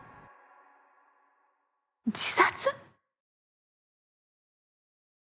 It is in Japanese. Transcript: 自殺？